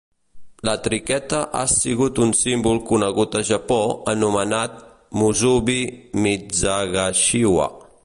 La triquetra ha sigut un símbol conegut a Japó anomenat "Musubi Mitsugashiwa".